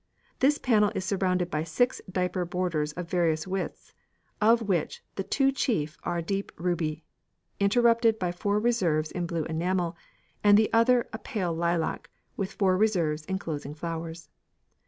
This panel is surrounded by six diaper borders of various widths, of which the two chief are a deep ruby, interrupted by four reserves in blue enamel, and the other a pale lilac with four reserves enclosing flowers.